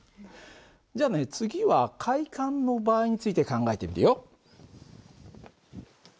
じゃあね次は開管の場合について考えてみるよ。